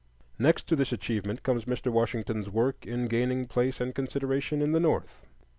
Next to this achievement comes Mr. Washington's work in gaining place and consideration in the North.